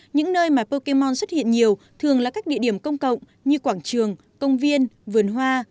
những nơi mà pokemon xuất hiện nhiều thường là các địa điểm công cộng như quảng trường công viên vườn hoa